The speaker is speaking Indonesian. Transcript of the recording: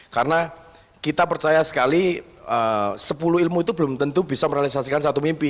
karena kita percaya sekali sepuluh ilmu itu belum tentu bisa merealisasikan satu mimpi